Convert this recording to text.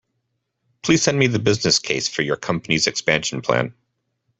Please send me the business case for your company’s expansion plan